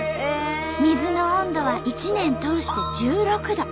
水の温度は一年通して１６度。